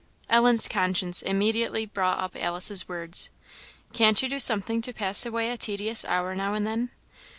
Ellen's conscience immediately brought up Alice's words "Can't you do something to pass away a tedious hour now and then?"